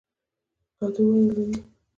کدو ولې لوی وي؟